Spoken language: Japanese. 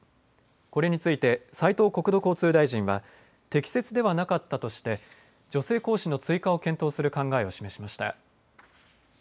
これについて、斉藤国土交通大臣は、適切ではなかったとして、女性講師の追加を検討する考えを示しました。